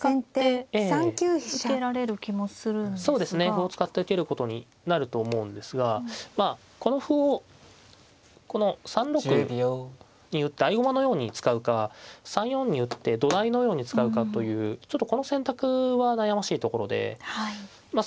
歩を使って受けることになると思うんですがまあこの歩をこの３六に打って合駒のように使うか３四に打って土台のように使うかというちょっとこの選択は悩ましいところでまあ